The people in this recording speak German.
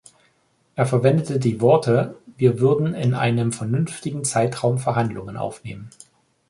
Er verwendete die Worte "wir würden in einem vernünftigen Zeitraum Verhandlungen aufnehmen".